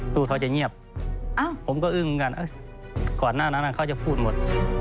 พูดเขาจะเงียบผมก็อึ้งกันก่อนหน้านั้นเขาจะพูดหมด